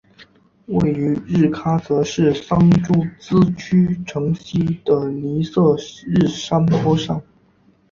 位于日喀则市桑珠孜区城西的尼色日山坡上。